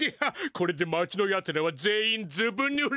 これで町のやつらは全員ずぶぬれ！